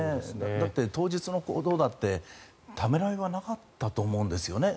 だって、当日の行動だってためらいはなかったと思うんですよね。